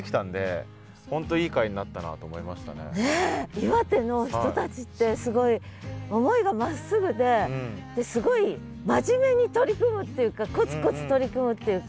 岩手の人たちってすごい思いがまっすぐですごい真面目に取り組むっていうかコツコツ取り組むっていうか。